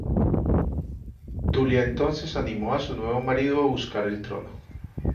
Tulia entonces animó a su nuevo marido a buscar el trono.